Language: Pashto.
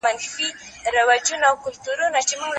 لکه لېوه یې نه ګورې چاته